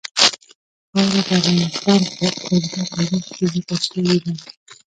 خاوره د افغانستان په اوږده تاریخ کې ذکر شوې ده.